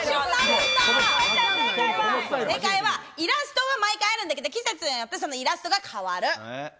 正解は、イラストは毎回あるんだけど、季節によってそのイラストが変わる。